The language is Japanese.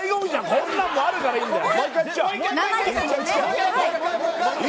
こんなのもあるからいいんだよ。